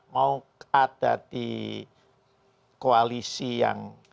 mau ada di koalisi yang sekarang ini ada